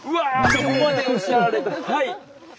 そこまでおっしゃられてはい！